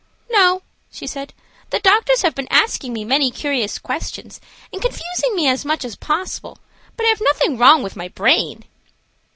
"No," she said. "The doctors have been asking me many curious questions and confusing me as much as possible, but I have nothing wrong with my brain."